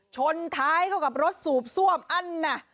ชนท้ายเข้ากับรถสูบซ่วมอั้นน่ะ